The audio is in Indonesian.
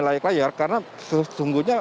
layak layar karena sesungguhnya